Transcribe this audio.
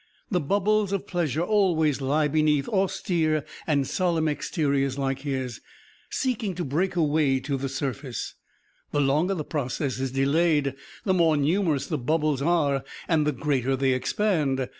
The bubbles of pleasure always lie beneath austere and solemn exteriors like his, seeking to break a way to the surface. The longer the process is delayed the more numerous the bubbles are and the greater they expand.